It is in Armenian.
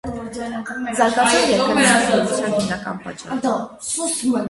Զարգացող երկրներում կուրության հիմնական պատճառն է։